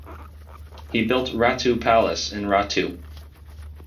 He built Ratu Palace in Ratu.